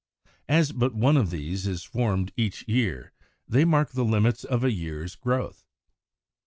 As but one of these is formed each year, they mark the limits of a year's growth.